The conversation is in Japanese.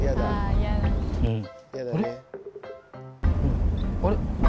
うんあれ？